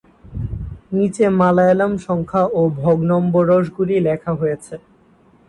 নিচে মালয়ালম সংখ্যা ও ভগ্নম্বরশগুলি লেখা হয়েছে।